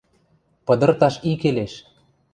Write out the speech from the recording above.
– Пыдырташ и келеш!